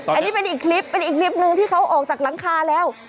อันนี้เป็นอีกคลิปเป็นอีกคลิปหนึ่งที่เขาออกจากหลังคาแล้ว